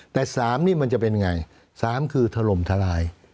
แต่๓นี่มันจะเป็นไง๓คือถล่มทลาย